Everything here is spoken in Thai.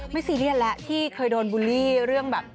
ซีเรียสแล้วที่เคยโดนบูลลี่เรื่องแบบ